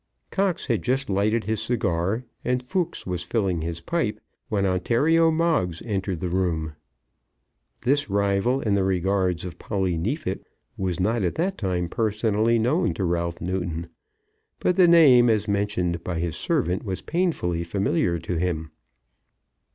Cox had just lighted his cigar, and Fooks was filling his pipe when Ontario Moggs entered the room. This rival in the regards of Polly Neefit was not at that time personally known to Ralph Newton; but the name, as mentioned by his servant, was painfully familiar to him.